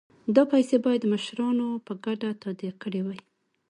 دا پیسې باید مشرانو په ګډه تادیه کړي وای.